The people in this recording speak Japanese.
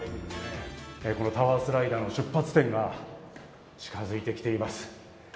タワースライダーの出発点が近づいてきています。